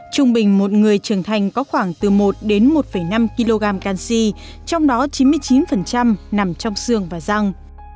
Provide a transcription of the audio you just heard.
trung bình một người trưởng thành có khoảng từ một đến một năm kg canxi trong đó chín mươi chín nằm trong xương và răng